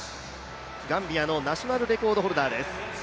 ガンビアのナショナルレコードホルダーです。